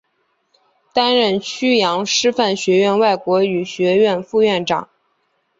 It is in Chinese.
担任阜阳师范学院外国语学院副院长。